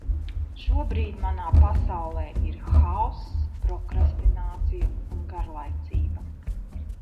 Šobrīd manā pasaulē ir haoss, prokrastinācija un garlaicība.